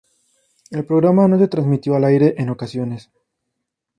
El programa no se transmitió al aire en ocasiones.